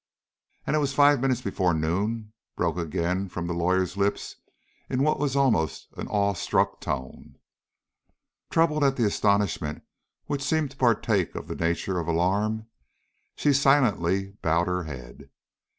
"And it was five minutes before noon?" broke again from the lawyer's lips, in what was almost an awe struck tone. Troubled at an astonishment which seemed to partake of the nature of alarm, she silently bowed her head.